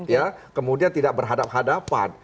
ya kemudian tidak berhadapan hadapan